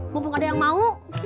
mumpung ada yang mau